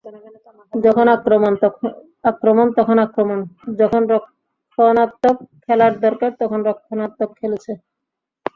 যখন আক্রমণ তখন আক্রমণ, যখন রক্ষণাত্মক খেলার দরকার তখন রক্ষণাত্মক খেলেছে।